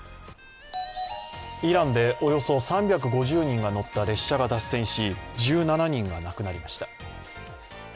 イランでおよそ３５０人が乗った列車が脱線し１７人が亡くなりました。